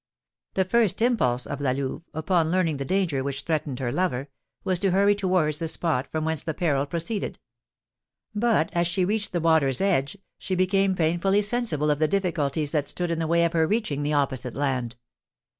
The first impulse of La Louve, upon learning the danger which threatened her lover, was to hurry towards the spot from whence the peril proceeded; but, as she reached the water's edge, she became painfully sensible of the difficulties that stood in the way of her reaching the opposite land.